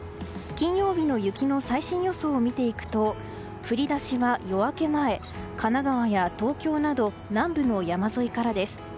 金曜日の雪の最新予想を見ていくと降り出しは夜明け前神奈川や東京など南部の山沿いからです。